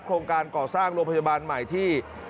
โครงการก่อสร้างโรงพยาบาลใหม่ที่